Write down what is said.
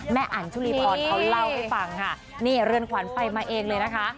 อันชุลีพรเขาเล่าให้ฟังค่ะนี่เรือนขวัญไปมาเองเลยนะคะ